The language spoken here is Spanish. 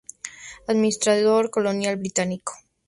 Administrador Colonial Británico.